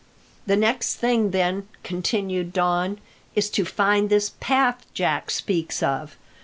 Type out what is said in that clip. "The next thing, then," continued Don, "is to find this path Jack speaks of.